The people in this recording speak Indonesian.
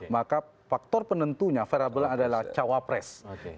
maka faktor penentunya variable adalah cawapres